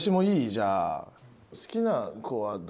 じゃあ。